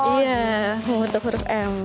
iya membentuk huruf m